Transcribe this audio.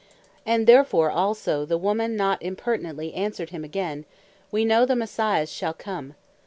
And therefore also the woman not impertinently answered him again, "We know the Messias shall come."